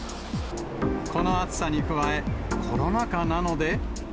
この暑さに加え、コロナ禍なので。